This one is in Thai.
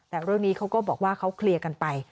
แต่เรื่องนี้เขาก็บอกว่าเขาเคลียร์กันไป